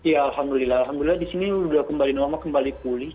ya alhamdulillah alhamdulillah di sini sudah kembali normal kembali pulih